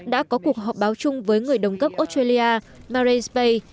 đã có cuộc họp báo chung với người đồng cấp australia marais bay